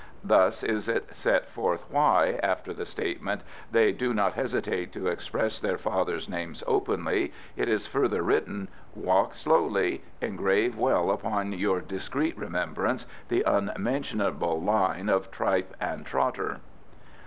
Thus is it set forth why, after the statement, "They do not hesitate to express their fathers' names openly," it is further written, "Walk slowly! Engrave well upon your discreet remembrance the unmentionable Line of Tripe and Trotter."